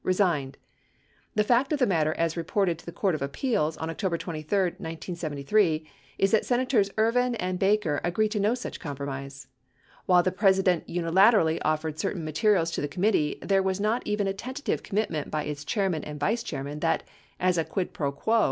resigned. The fact of the matter, as reported to the Court of Appeals on October 23, 1973, 7 is that Sen ators Ervin and Baker agreed to no such compromise. While the Presi dent unilateralli / offered certain materials to the committee, there was not even a tentative commitment by its Chairman and Vice Chairman that, as a quid pro quo.